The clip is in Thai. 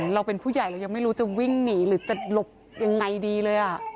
เราเป็นผู้ใหญ่เรายังไม่รู้จะวิ่งหนีหรือจะหลบยังไงดีเลย